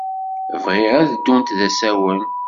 Bɣiɣ ad ddunt d asawen.